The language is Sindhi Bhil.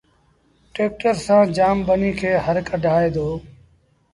ٽيڪٽر سآݩ جآم ٻنيٚ کي هر ڪڍآئي دو